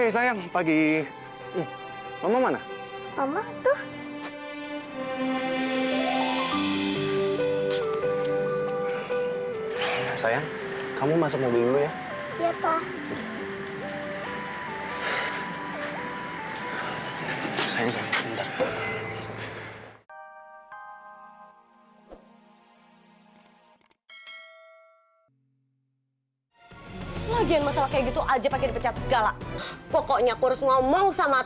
sampai jumpa di video selanjutnya